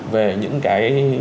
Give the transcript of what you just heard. về những cái